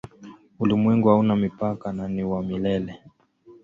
Ulimwengu hauna mipaka na ni wa milele.